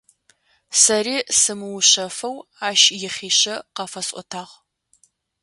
Сэри сымыушъэфэу ащ ихъишъэ къафэсӏотагъ.